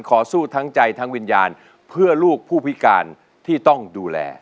สู้ทั้งใจทั้งวิญญาณเพื่อลูกผู้พิการที่ต้องดูแล